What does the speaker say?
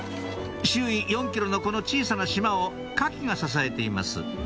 周囲４ｋｍのこの小さな島をカキが支えています